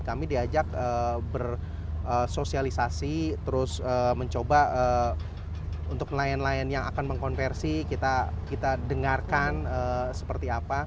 kami diajak bersosialisasi terus mencoba untuk nelayan nelayan yang akan mengkonversi kita dengarkan seperti apa